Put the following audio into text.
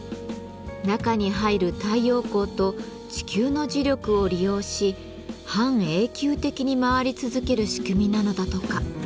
中に入る太陽光と地球の磁力を利用し半永久的に回り続ける仕組みなのだとか。